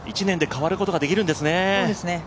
１年で変わることができるんですね。